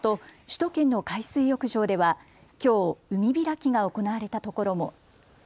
首都圏の海水浴場ではきょう海開きが行われたところも。